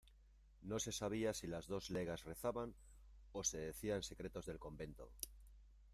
no se sabía si las dos legas rezaban ó se decían secretos del convento